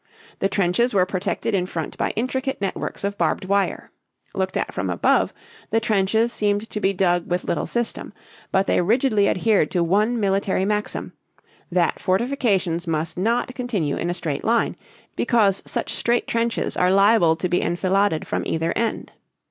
The trenches were protected in front by intricate networks of barbed wire. Looked at from above, the trenches seemed to be dug with little system. But they rigidly adhered to one military maxim, that fortifications must not continue in a straight line, because such straight trenches are liable to be enfiladed from either end.